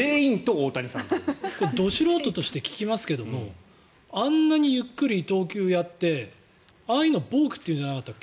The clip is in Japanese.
ど素人として聞きますけどあんなにゆっくり投球やってああいうのボークって言うんじゃなかったっけ。